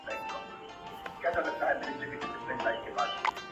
ته كه له ښاره ځې پرېږدې خپــل كــــــور _